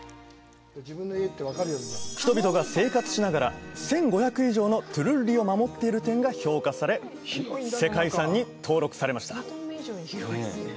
人々が生活しながら１５００以上のトゥルッリを守っている点が評価され世界遺産に登録されました